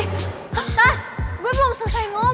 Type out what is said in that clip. terus gue belum selesai ngomong